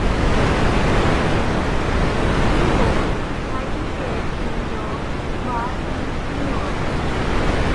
He was admitted to the bar in New York.